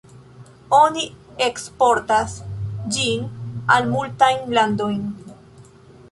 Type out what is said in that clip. Oni eksportas ĝin al multajn landojn.